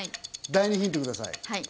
第ヒントください。